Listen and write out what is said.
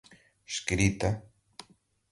escrita